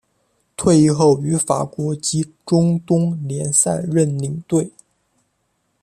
退役后于法国及中东联赛任领队。